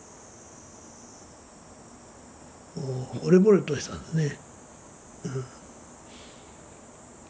もうほれぼれとしたんですね。